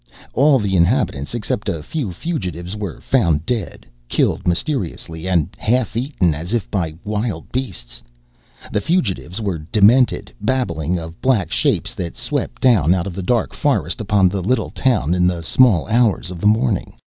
All the inhabitants, except a few fugitives, were found dead, killed mysteriously and half eaten, as if by wild beasts. The fugitives were demented, babbling of black shapes that swept down out of the dark forest upon the little town in the small hours of the morning.